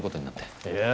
いや。